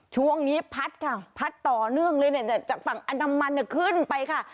ช่วงนี้พัดค่ะพัดต่อเนื่องเลยเนี่ยจากฝั่งอันดามันเนี่ยขึ้นไปค่ะ